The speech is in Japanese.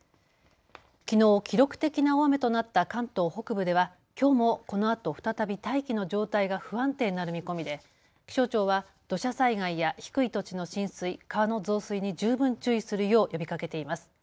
きのう記録的な大雨となった関東北部ではきょうもこのあと再び大気の状態が不安定になる見込みで気象庁は土砂災害や低い土地の浸水、川の増水に十分注意するよう呼びかけています。